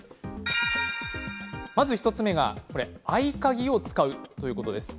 まず１つ目は合鍵を使うということです。